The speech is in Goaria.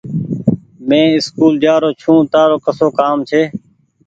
مينٚ اسڪول جآرو ڇوٚنٚ تآرو ڪسو ڪآم ڇي